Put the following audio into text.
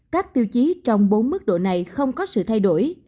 các tiêu chí trong bốn mức độ này không có sự thay đổi